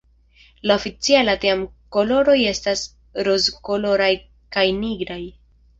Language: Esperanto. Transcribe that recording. La oficiala team-koloroj estas rozkoloraj kaj nigraj.